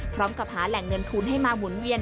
พร้อมกับหาแหล่งเงินทุนให้มาหมุนเวียน